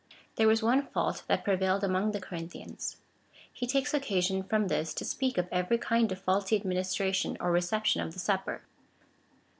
There was one fault that prevailed among the Cor inthians. He takes occasion from this to speak of every kind of faulty administration or reception of the Supper.